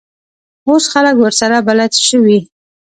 اوس خلک ورسره بلد شوي.